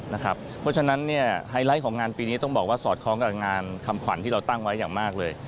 เพราะฉะนั้นไฮไลท์ของงานปีนี้ต้องบอกว่าสอดคล้องกับงานคำขวัญที่เราตั้งไว้อย่างมากเลย